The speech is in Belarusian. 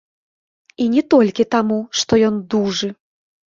І не толькі таму, што ён дужы.